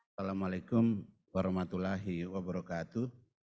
assalamu alaikum warahmatullahi wabarakatuh